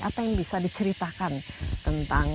apa yang bisa diceritakan tentang